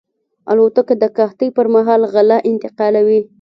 الوتکه د قحطۍ پر مهال غله انتقالوي.